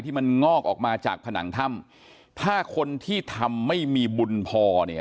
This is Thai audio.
มันงอกออกมาจากผนังถ้ำถ้าคนที่ทำไม่มีบุญพอเนี่ย